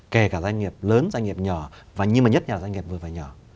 kể cả doanh nghiệp lớn doanh nghiệp nhỏ và nhưng mà nhất là doanh nghiệp vừa và nhỏ